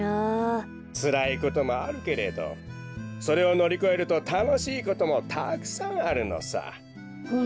つらいこともあるけれどそれをのりこえるとたのしいこともたくさんあるのさ。